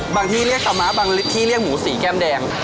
ที่เรียกตาม้าบางที่เรียกหมูสีแก้มแดง